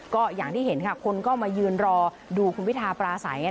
ก็อย่างที่เห็นค่ะคนก็มายืนรอดูคุณพิทาปราศัย